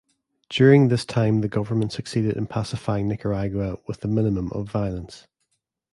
During this time the government succeeded in pacifying Nicaragua, with a minimum of violence.